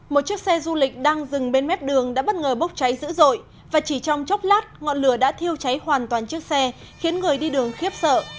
một chiếc xe du lịch đang dừng bên mép đường đã bất ngờ bốc cháy dữ dội và chỉ trong chốc lát ngọn lửa đã thiêu cháy hoàn toàn chiếc xe khiến người đi đường khiếp sợ